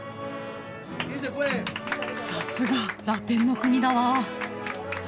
さすがラテンの国だわ！